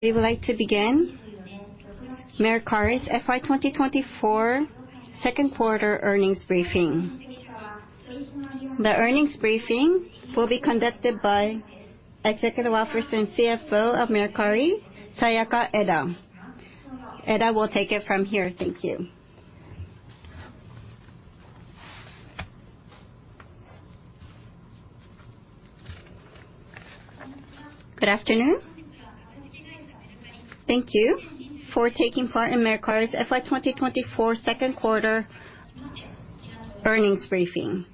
We would like to begin Mercari's FY 2024 Second Quarter Earnings Briefing. The earnings briefing will be conducted by Executive Officer and CFO of Mercari, Sayaka Eda. Eda will take it from here. Thank you. Good afternoon. Thank you for taking part in Mercari's FY 2024 Second Quarter Earnings Briefing.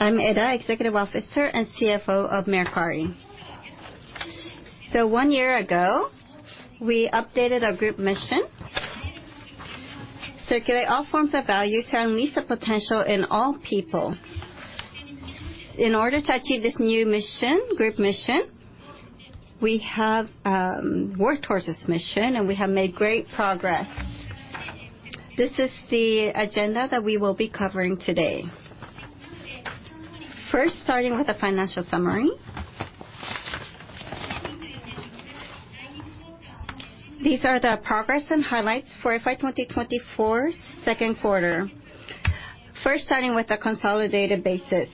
I'm Eda, Executive Officer and CFO of Mercari. So one year ago, we updated our group mission: circulate all forms of value to unleash the potential in all people. In order to achieve this new group mission, we have worked towards this mission, and we have made great progress. This is the agenda that we will be covering today. First, starting with the financial summary. These are the progress and highlights for FY 2024's second quarter. First, starting with a consolidated basis.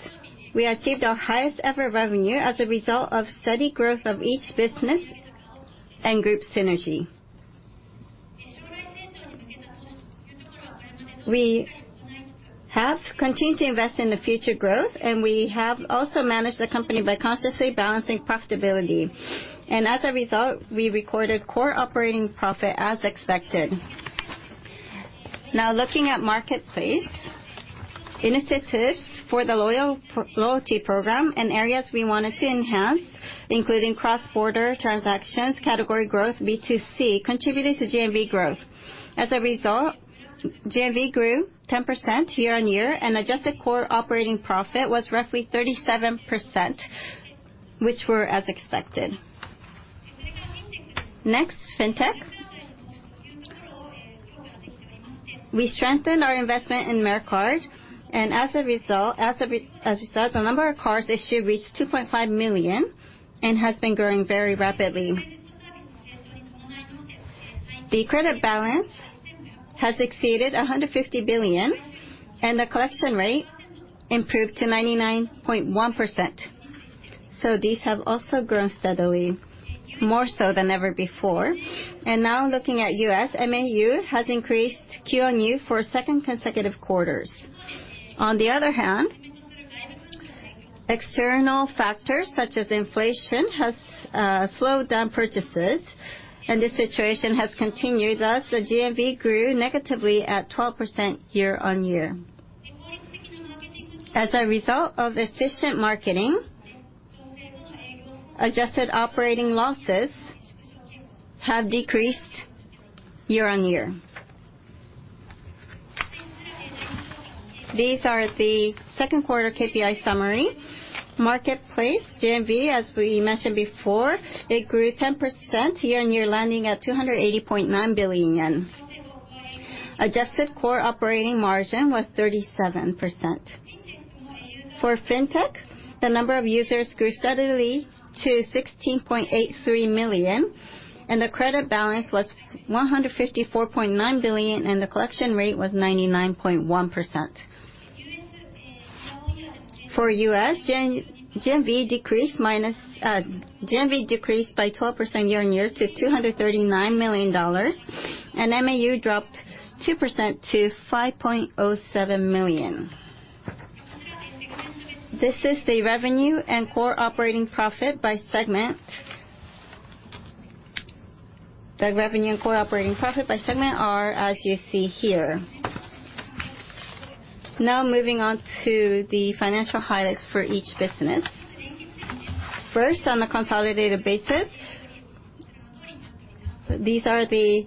We achieved our highest-ever revenue as a result of steady growth of each business and group synergy. We have continued to invest in the future growth, and we have also managed the company by consciously balancing profitability. As a result, we recorded core operating profit as expected. Now, looking at marketplace, initiatives for the loyalty program and areas we wanted to enhance, including cross-border transactions, category growth, B2C, contributed to GMV growth. As a result, GMV grew 10% year-on-year, and adjusted core operating profit was roughly 37%, which were as expected. Next, fintech. We strengthened our investment in Mercard, and as a result, the number of cards issued reached 2.5 million and has been growing very rapidly. The credit balance has exceeded 150 billion, and the collection rate improved to 99.1%. So these have also grown steadily, more so than ever before. Now, looking at U.S., MAU has increased Q-on-Q for second consecutive quarters. On the other hand, external factors such as inflation have slowed down purchases, and this situation has continued. Thus, the GMV grew negatively at 12% year-on-year. As a result of efficient marketing, adjusted operating losses have decreased year-on-year. These are the second quarter KPI summary. Marketplace, GMV, as we mentioned before, it grew 10% year-on-year, landing at 280.9 billion yen. Adjusted core operating margin was 37%. For fintech, the number of users grew steadily to 16.83 million, and the credit balance was 154.9 billion, and the collection rate was 99.1%. For U.S., GMV decreased by 12% year-on-year to $239 million, and MAU dropped 2% to 5.07 million. This is the revenue and core operating profit by segment. The revenue and core operating profit by segment are, as you see here. Now, moving on to the financial highlights for each business. First, on a consolidated basis. These are the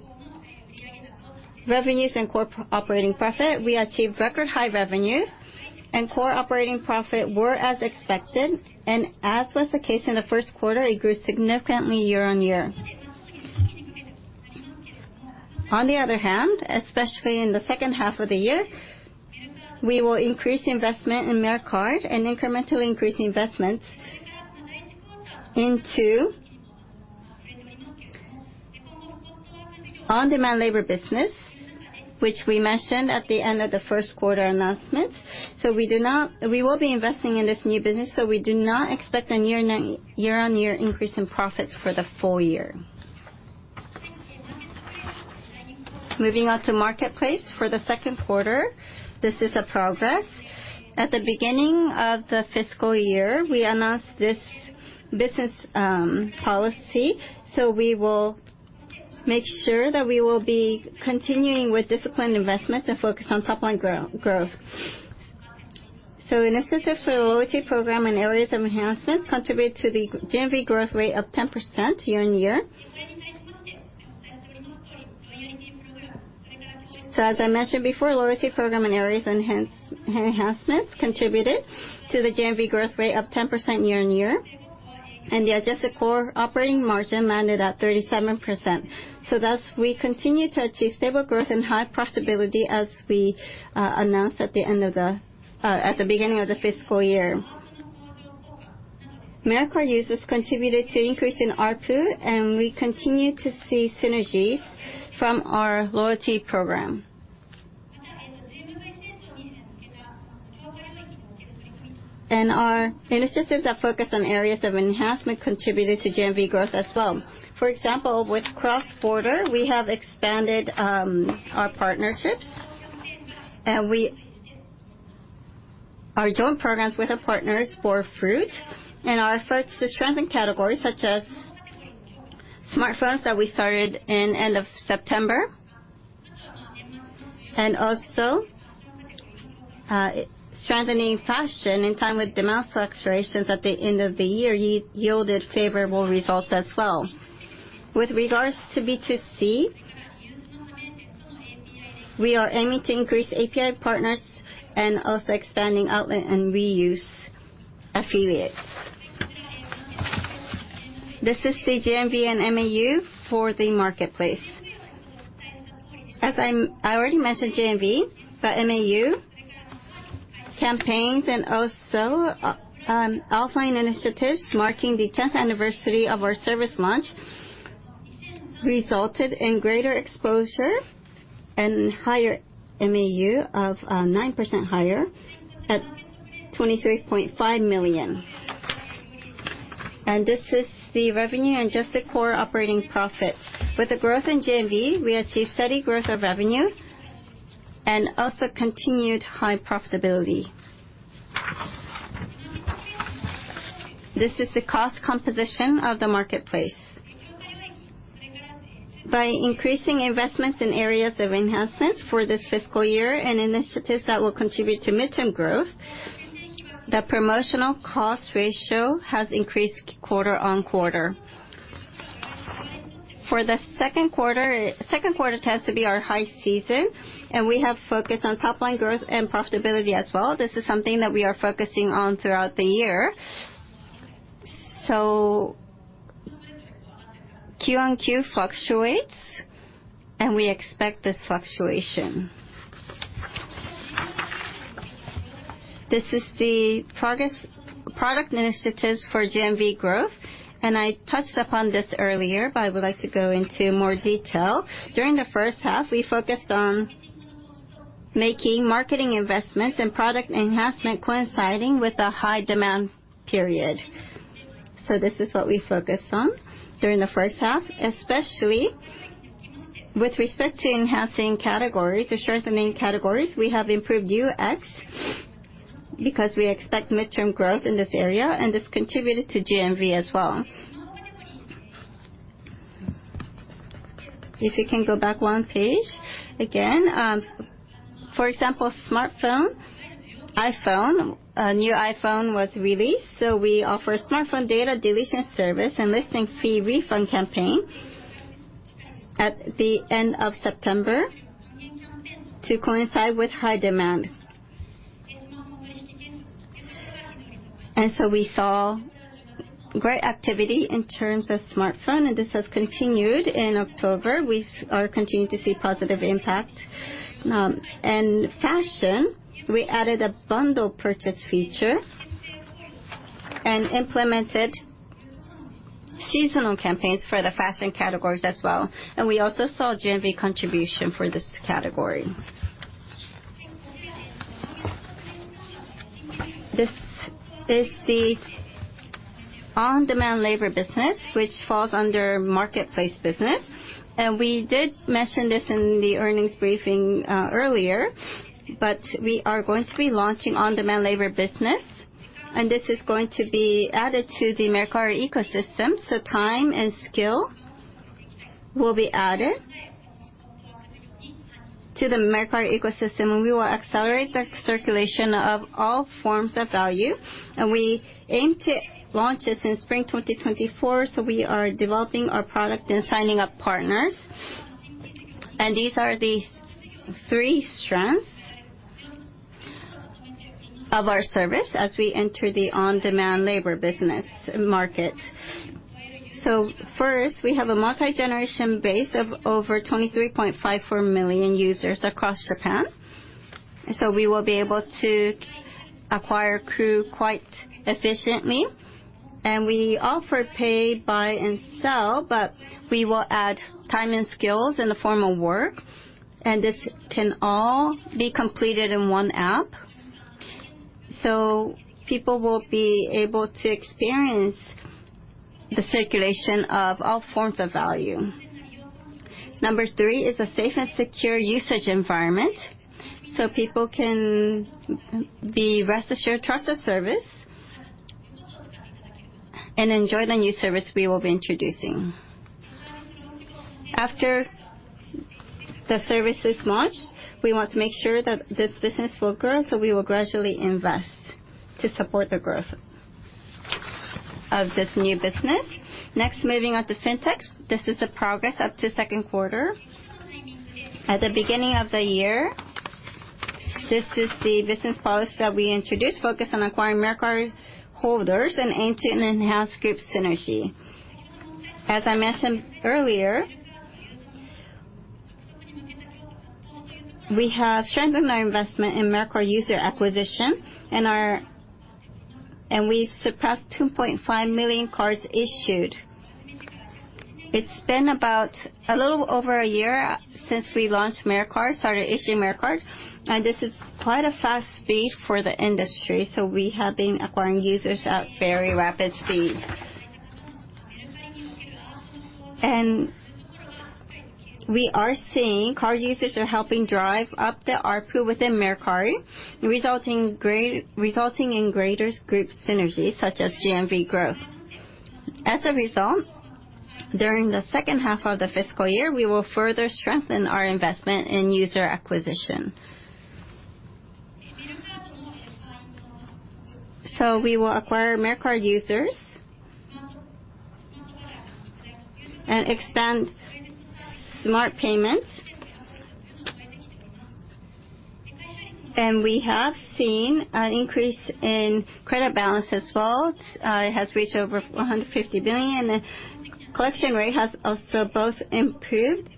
revenues and core operating profit. We achieved record-high revenues, and core operating profit were as expected. As was the case in the first quarter, it grew significantly year-on-year. On the other hand, especially in the second half of the year, we will increase investment in Mercard and incrementally increase investments into on-demand labor business, which we mentioned at the end of the first quarter announcement. So we will be investing in this new business, so we do not expect a year-on-year increase in profits for the full year. Moving on to marketplace. For the second quarter, this is a progress. At the beginning of the fiscal year, we announced this business policy. So we will make sure that we will be continuing with disciplined investments and focus on top-line growth. So initiatives for the loyalty program and areas of enhancements contributed to the GMV growth rate of 10% year-over-year. So as I mentioned before, loyalty program and areas of enhancements contributed to the GMV growth rate of 10% year-over-year, and the adjusted core operating margin landed at 37%. So thus, we continue to achieve stable growth and high profitability as we announced at the beginning of the fiscal year. Mercard users contributed to an increase in ARPU, and we continue to see synergies from our loyalty program. And our initiatives that focus on areas of enhancement contributed to GMV growth as well. For example, with Cross-Border, we have expanded our partnerships and our joint programs with our partners for fruit. Our efforts to strengthen categories such as smartphones that we started in end of September, and also strengthening fashion in time with demand fluctuations at the end of the year yielded favorable results as well. With regards to B2C, we are aiming to increase API partners and also expanding outlet and reuse affiliates. This is the GMV and MAU for the marketplace. As I already mentioned, GMV, the MAU campaigns, and also offline initiatives marking the 10th anniversary of our service launch resulted in greater exposure and higher MAU of 9% higher at 23.5 million. This is the revenue and adjusted core operating profit. With the growth in GMV, we achieved steady growth of revenue and also continued high profitability. This is the cost composition of the marketplace. By increasing investments in areas of enhancements for this fiscal year and initiatives that will contribute to midterm growth, the promotional cost ratio has increased quarter on quarter. For the second quarter, it tends to be our high season, and we have focused on top-line growth and profitability as well. This is something that we are focusing on throughout the year. So Q-on-Q fluctuates, and we expect this fluctuation. This is the product initiatives for GMV growth, and I touched upon this earlier, but I would like to go into more detail. During the first half, we focused on making marketing investments and product enhancement coinciding with a high-demand period. So this is what we focused on during the first half, especially with respect to enhancing categories or strengthening categories. We have improved UX because we expect midterm growth in this area, and this contributed to GMV as well. If you can go back one page. Again, for example, smartphone, iPhone, a new iPhone was released, so we offer a Smartphone Data Deletion Service and listing fee refund campaign at the end of September to coincide with high demand. And so we saw great activity in terms of smartphone, and this has continued in October. We are continuing to see positive impact. And fashion, we added a bundle purchase feature and implemented seasonal campaigns for the fashion categories as well. And we also saw GMV contribution for this category. This is the on-demand labor business, which falls under marketplace business. And we did mention this in the earnings briefing earlier, but we are going to be launching on-demand labor business, and this is going to be added to the Mercari ecosystem. So time and skill will be added to the Mercari ecosystem, and we will accelerate the circulation of all forms of value. And we aim to launch this in spring 2024, so we are developing our product and signing up partners. And these are the three strengths of our service as we enter the on-demand labor business market. So first, we have a multi-generation base of over 23.54 million users across Japan. So we will be able to acquire crew quite efficiently. And we offer pay, buy, and sell, but we will add time and skills in the form of work, and this can all be completed in one app. So people will be able to experience the circulation of all forms of value. Number three is a safe and secure usage environment so people can be rest assured, trust the service, and enjoy the new service we will be introducing. After the service is launched, we want to make sure that this business will grow, so we will gradually invest to support the growth of this new business. Next, moving on to fintech. This is a progress up to second quarter. At the beginning of the year, this is the business policy that we introduced, focused on acquiring Mercard holders and aimed to enhance group synergy. As I mentioned earlier, we have strengthened our investment in Mercard user acquisition, and we've surpassed 2.5 million cards issued. It's been about a little over a year since we launched Mercard, started issuing Mercard, and this is quite a fast speed for the industry. So we have been acquiring users at very rapid speed. We are seeing card users are helping drive up the ARPU within Mercari, resulting in greater group synergy such as GMV growth. As a result, during the second half of the fiscal year, we will further strengthen our investment in user acquisition. We will acquire Mercari users and expand Smart Payments. We have seen an increase in credit balance as well. It has reached over 150 billion, and the collection rate has also both improved.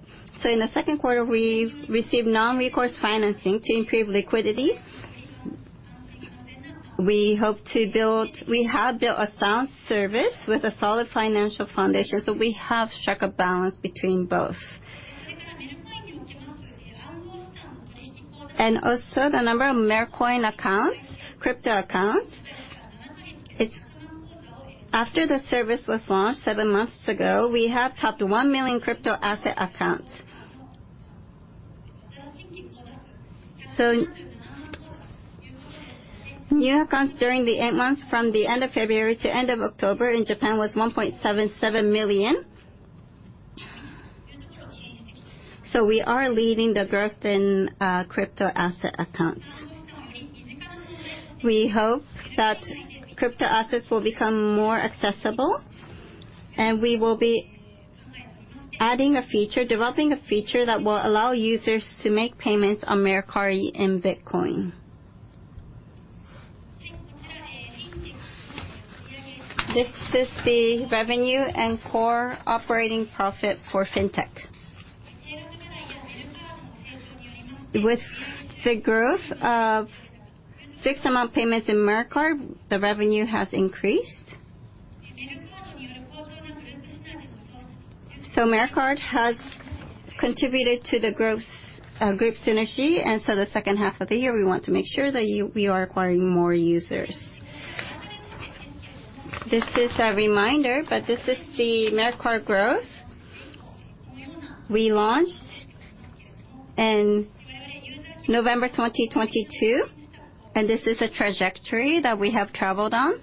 In the second quarter, we received non-recourse financing to improve liquidity. We hope to build we have built a sound service with a solid financial foundation, so we have struck a balance between both. Also, the number of Mercoin accounts, crypto accounts. After the service was launched seven months ago, we have topped 1 million crypto asset accounts. So new accounts during the eight months from the end of February to end of October in Japan was 1.77 million. So we are leading the growth in crypto asset accounts. We hope that crypto assets will become more accessible, and we will be adding a feature, developing a feature that will allow users to make payments on Mercari in Bitcoin. This is the revenue and core operating profit for fintech. With the growth of fixed amount payments in Mercard, the revenue has increased. So Mercard has contributed to the growth group synergy, and so the second half of the year, we want to make sure that we are acquiring more users. This is a reminder, but this is the Mercard growth. We launched in November 2022, and this is a trajectory that we have traveled on.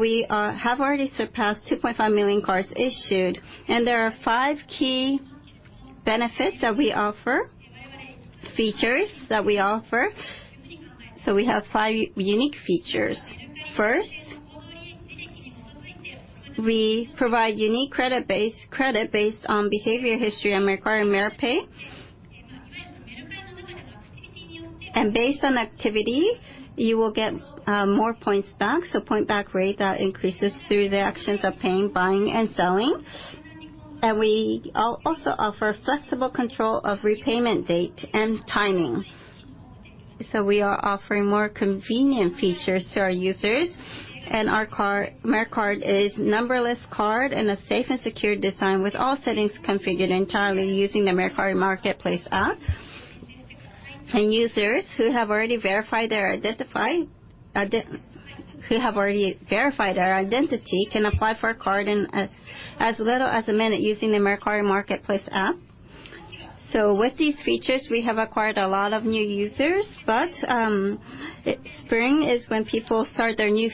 We have already surpassed 2.5 million cards issued, and there are five key benefits that we offer, features that we offer. So we have five unique features. First, we provide unique credit based on behavior history in Mercard and Merpay. And based on activity, you will get more points back, so point-back rate that increases through the actions of paying, buying, and selling. And we also offer flexible control of repayment date and timing. So we are offering more convenient features to our users, and Mercard is a numberless card and a safe and secure design with all settings configured entirely using the Mercari Marketplace app. And users who have already verified their identity can apply for a card in as little as a minute using the Mercari Marketplace app. So with these features, we have acquired a lot of new users, but spring is when people start their new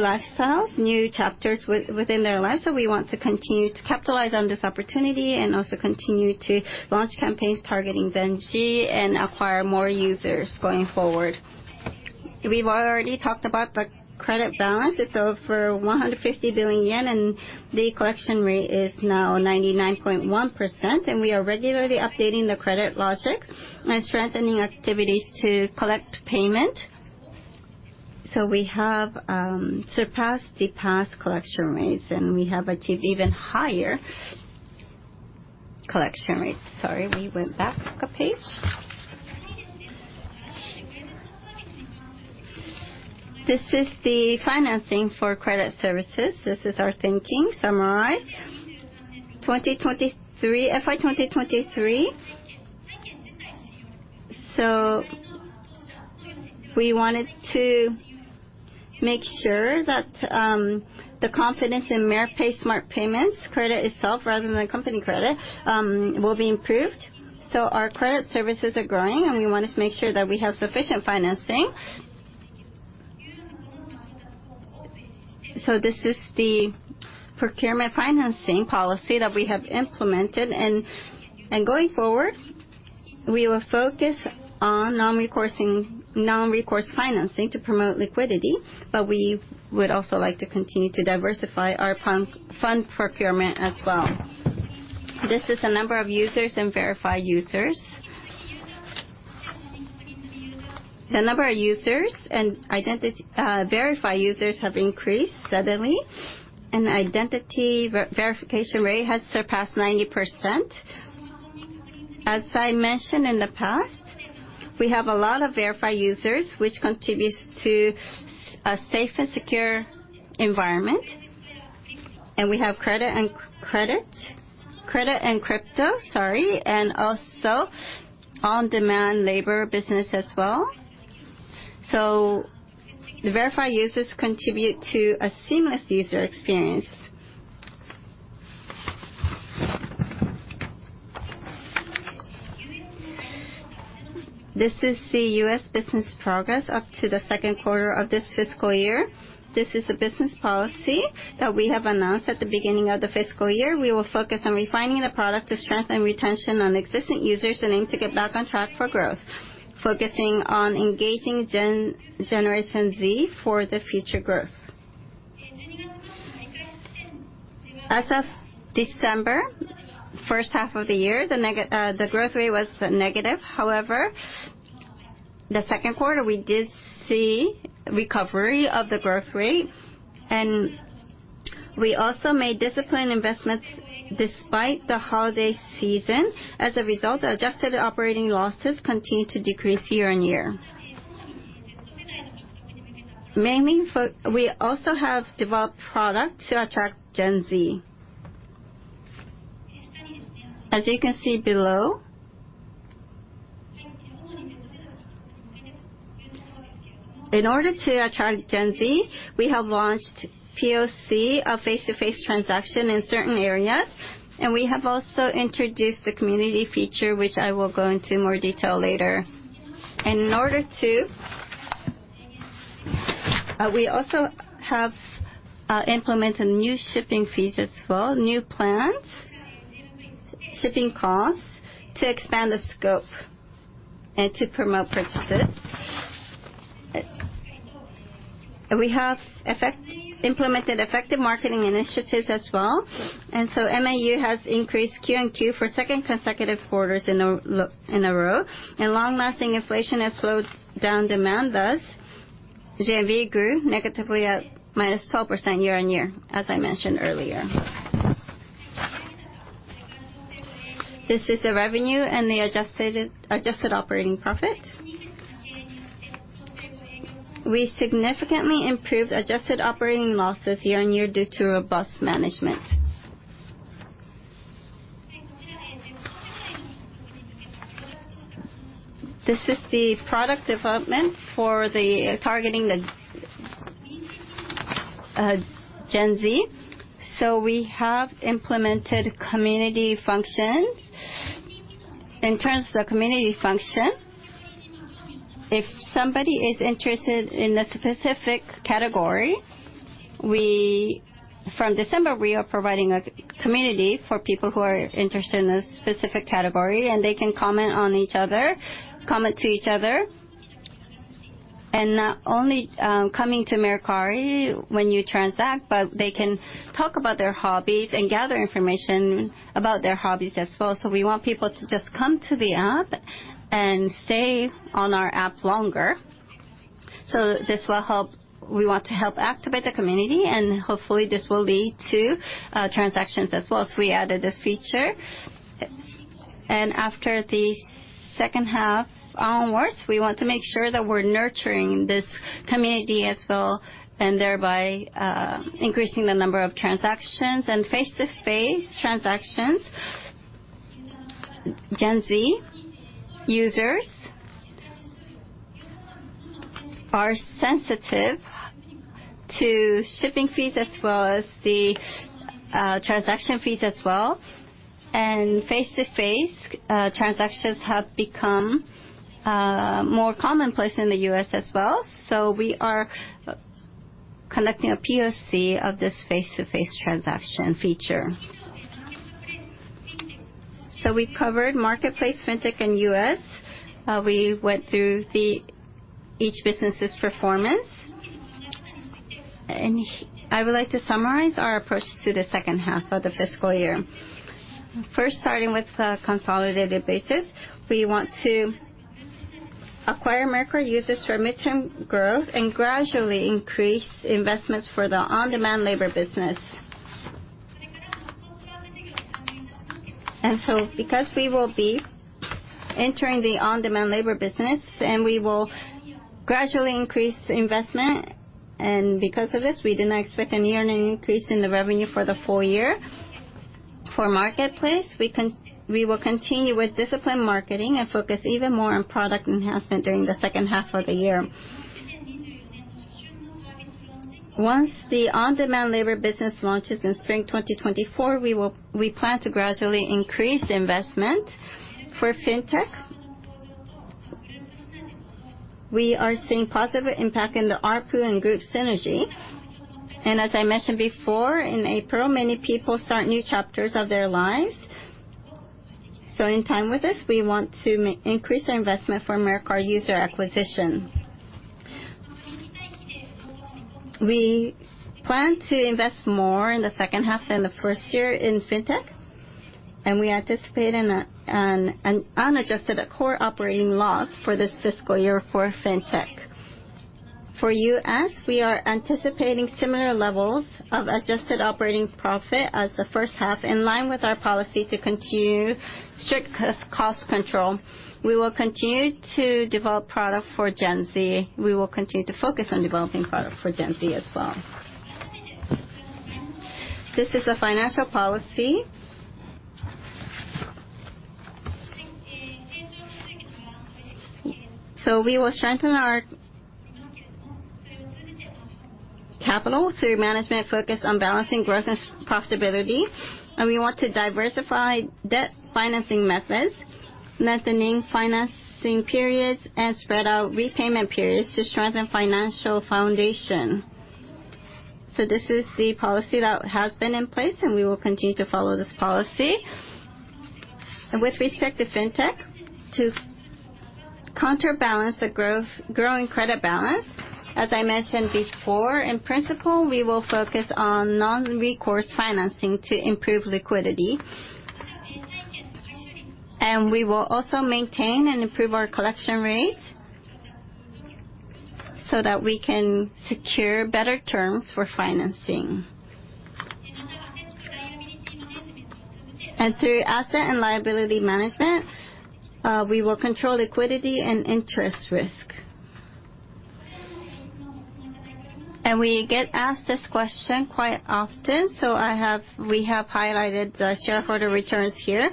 lifestyles, new chapters within their lives. We want to continue to capitalize on this opportunity and also continue to launch campaigns targeting Gen Z and acquire more users going forward. We've already talked about the credit balance. It's over 150 billion yen, and the collection rate is now 99.1%. We are regularly updating the credit logic and strengthening activities to collect payment. We have surpassed the past collection rates, and we have achieved even higher collection rates. Sorry, we went back a page. This is the financing for credit services. This is our thinking summarized. FY 2023. We wanted to make sure that the confidence in Merpay Smart Payments, credit itself rather than company credit, will be improved. So our credit services are growing, and we want to make sure that we have sufficient financing. So this is the procurement financing policy that we have implemented. And going forward, we will focus on non-recourse financing to promote liquidity, but we would also like to continue to diversify our fund procurement as well. This is the number of users and verified users. The number of users and verified users have increased steadily, and the identity verification rate has surpassed 90%. As I mentioned in the past, we have a lot of verified users, which contributes to a safe and secure environment. And we have credit and credit and crypto, sorry, and also on-demand labor business as well. So the verified users contribute to a seamless user experience. This is the U.S. business progress up to the second quarter of this fiscal year. This is a business policy that we have announced at the beginning of the fiscal year. We will focus on refining the product to strengthen retention on existing users and aim to get back on track for growth, focusing on engaging Generation Z for the future growth. As of December, first half of the year, the growth rate was negative. However, the second quarter, we did see recovery of the growth rate. We also made disciplined investments despite the holiday season. As a result, adjusted operating losses continue to decrease year-on-year. We also have developed products to attract Gen Z. As you can see below, in order to attract Gen Z, we have launched POC, a face-to-face transaction in certain areas, and we have also introduced the community feature, which I will go into more detail later. And in order to, we also have implemented new shipping fees as well, new plans, shipping costs to expand the scope and to promote purchases. We have implemented effective marketing initiatives as well. And so MAU has increased Q-on-Q for second consecutive quarters in a row, and long-lasting inflation has slowed down demand, thus GMV grew negatively at -12% year-on-year, as I mentioned earlier. This is the revenue and the adjusted operating profit. We significantly improved adjusted operating losses year-on-year due to robust management. This is the product development targeting the Gen Z. So we have implemented community functions. In terms of the community function, if somebody is interested in a specific category, from December, we are providing a community for people who are interested in a specific category, and they can comment on each other, comment to each other. Not only coming to Mercari when you transact, but they can talk about their hobbies and gather information about their hobbies as well. So we want people to just come to the app and stay on our app longer. So this will help. We want to help activate the community, and hopefully, this will lead to transactions as well. So we added this feature. And after the second half onwards, we want to make sure that we're nurturing this community as well and thereby increasing the number of transactions. Face-to-face transactions, Gen Z users are sensitive to shipping fees as well as the transaction fees as well. And face-to-face transactions have become more commonplace in the U.S. as well. So we are conducting a POC of this face-to-face transaction feature. So we covered marketplace, fintech in the U.S. We went through each business's performance. I would like to summarize our approach to the second half of the fiscal year. First, starting with a consolidated basis, we want to acquire Mercari users for midterm growth and gradually increase investments for the on-demand labor business. And so because we will be entering the on-demand labor business and we will gradually increase investment, and because of this, we do not expect any earning increase in the revenue for the full year for marketplace, we will continue with disciplined marketing and focus even more on product enhancement during the second half of the year. Once the on-demand labor business launches in spring 2024, we plan to gradually increase investment for fintech. We are seeing positive impact in the ARPU and group synergy. And as I mentioned before, in April, many people start new chapters of their lives. So in time with this, we want to increase our investment for Mercari user acquisition. We plan to invest more in the second half than the first year in fintech, and we anticipate an unadjusted core operating loss for this fiscal year for fintech. For U.S., we are anticipating similar levels of adjusted operating profit as the first half in line with our policy to continue strict cost control. We will continue to develop product for Gen Z. We will continue to focus on developing product for Gen Z as well. This is the financial policy. So we will strengthen our capital through management focused on balancing growth and profitability. And we want to diversify debt financing methods, lengthening financing periods, and spread out repayment periods to strengthen financial foundation. So this is the policy that has been in place, and we will continue to follow this policy. With respect to fintech, to counterbalance the growing credit balance, as I mentioned before, in principle, we will focus on non-recourse financing to improve liquidity. We will also maintain and improve our collection rate so that we can secure better terms for financing. Through asset and liability management, we will control liquidity and interest risk. We get asked this question quite often, so we have highlighted the shareholder returns here.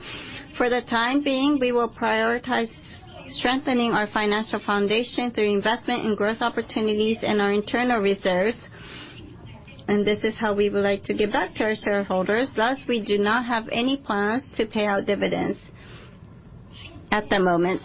For the time being, we will prioritize strengthening our financial foundation through investment in growth opportunities and our internal reserves. This is how we would like to give back to our shareholders, thus we do not have any plans to pay out dividends at the moment.